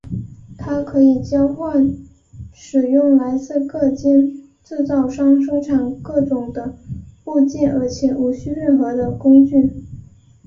它可以交换使用来自各间制造商生产各种的部件而且无需任何的工具。